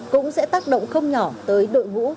cũng sẽ tác động không nhỏ tới đội ngũ